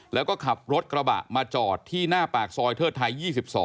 แล้วก็ขับรถกระบะมาจอดที่หน้าปากซอยเทิดไทย๒๒